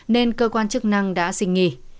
nên cơ quan chức năng đã xình nghỉ